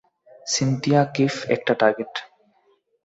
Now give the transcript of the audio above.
Cynthia, কিফ একটা target!